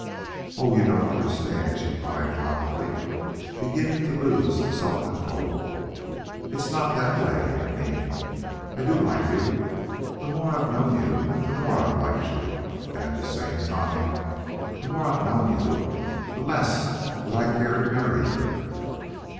"Oh, you don't understand," she cried wildly, beginning to lose self control "It's not that way I mean. I do like you; the more I've known you the more I've liked you. And at the same time the more I've known you the less would I care to marry you."